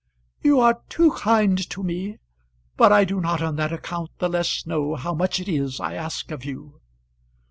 "You are too kind to me; but I do not on that account the less know how much it is I ask of you."